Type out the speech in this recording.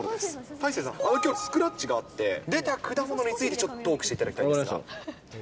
大勢さん、きょう、スクラッチがあって、出た果物についてちょっとトークしていただきたいんですけど。